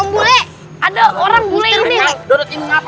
bule ada orang bule ini